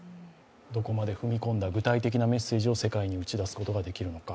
どこまで踏み込んだ具体的なメッセージを世界に出すことができるのか。